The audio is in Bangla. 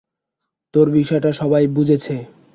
তোর বিষয়টা সবাই বুঝেছে!